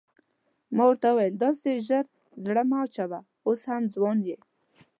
ما ورته وویل داسې ژر زړه مه اچوه اوس هم ځوان یې.